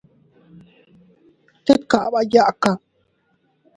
Tet kaba iyaaka.